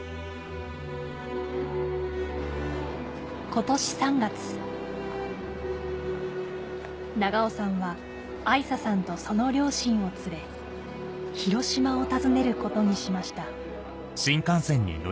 今年３月長尾さんは愛咲さんとその両親を連れ広島を訪ねることにしました